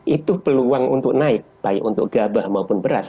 itu peluang untuk naik baik untuk gabah maupun beras